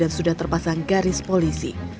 sepi dan sudah terpasang garis polisi